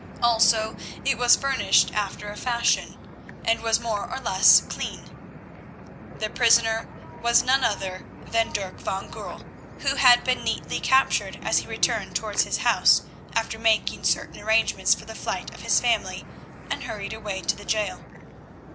Also it was furnished after a fashion, and was more or less clean. This prisoner was none other than Dirk van Goorl, who had been neatly captured as he returned towards his house after making certain arrangements for the flight of his family, and hurried away to the gaol.